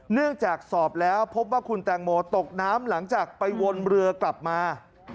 เนื่องจากสอบแล้วพบว่าคุณแตงโมตกน้ำหลังจากไปวนเรือกลับมา